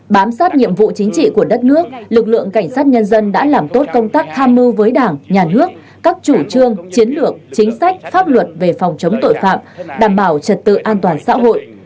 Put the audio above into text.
bám sát nhiệm vụ chính trị của đất nước lực lượng cảnh sát nhân dân đã làm tốt công tác tham mưu với đảng nhà nước các chủ trương chiến lược chính sách pháp luật về phòng chống tội phạm đảm bảo trật tự an toàn xã hội